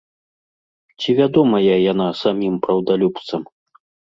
Ці вядомая яна самім праўдалюбцам?